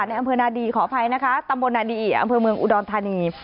ในอำเภอนาดีขออภัยนะคะตำบลนาดีอีอำเภอเมืองอุดรธานี